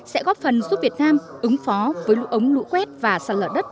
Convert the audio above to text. sẽ góp phần giúp việt nam ứng phó với lũ ống lũ quét và sạt lở đất